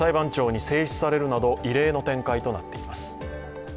裁判長に制止されるなど異例の展開となっています。